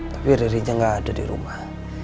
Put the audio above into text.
tapi ririnya nggak ada di rumah